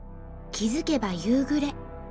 気付けば夕暮れ。